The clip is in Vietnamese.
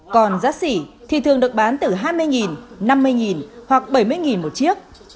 còn giá xỉ thì thường được bán từ hai mươi năm mươi hoặc bảy mươi một chiếc